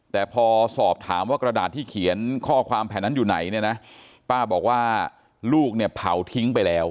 แต่พอสอบถามว่ากระดาษที่เขียนข้อความแผ่นนั้นอยู่ไหนเนี่ยนะป้าบอกว่าลูกเนี่ยเผาทิ้งไปแล้ว